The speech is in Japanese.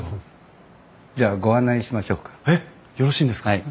はい。